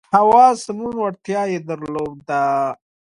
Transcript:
د هوا د سمون وړتیا یې درلوده.